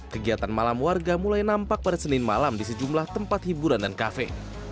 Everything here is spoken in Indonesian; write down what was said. kegiatan malam warga mulai nampak pada senin malam di sejumlah tempat hiburan dan kafe